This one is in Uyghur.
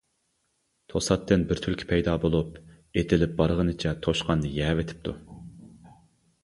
توساتتىن بىر تۈلكە پەيدا بولۇپ، ئېتىلىپ بارغىنىچە توشقاننى يەۋېتىپتۇ.